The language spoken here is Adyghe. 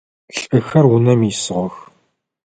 Лӏыхэр унэм исыгъэх.